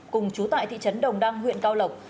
cùng chú tại thị trấn đồng đăng huyện cao lộc